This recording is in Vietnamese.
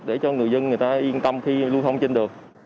để cho người dân người ta yên tâm khi lưu thông trên đường